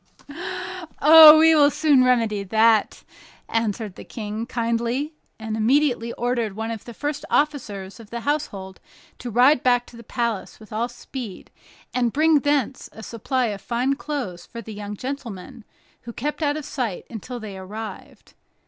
"Oh, we will soon remedy that," answered the King, kindly and immediately ordered one of the first officers of the household to ride back to the palace with all speed, and bring thence a supply of fine clothes for the young gentleman, who kept out of sight until they arrived.